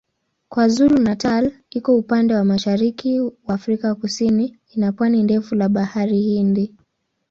KwaZulu-Natal iko upande wa mashariki wa Afrika Kusini ina pwani ndefu la Bahari Hindi.